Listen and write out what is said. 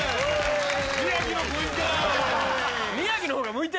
宮城のポイント！